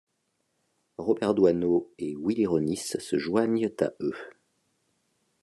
Robert Doisneau et Willy Ronis se joignent à eux.